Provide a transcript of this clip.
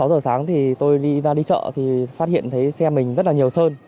sáu giờ sáng thì tôi đi ra đi chợ thì phát hiện thấy xe mình rất là nhiều sơn